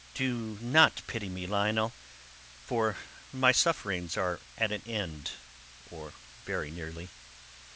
"Do not pity me, Lionel, for my sufferings are at an end or very nearly."